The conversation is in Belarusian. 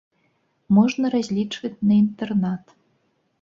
Можна разлічваць на інтэрнат.